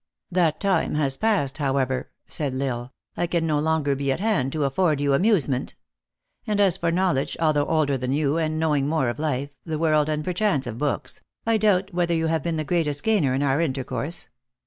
" That time has passed, however," said L Isle ;" I can no longer be at hand to afford you amusement. And as for knowledge, although older than you, and knowing more of life, the world, and perchance of books, I doubt whether you have been the greatest gainer in our intercourse.